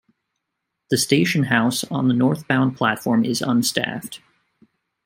The station house on the northbound platform is unstaffed.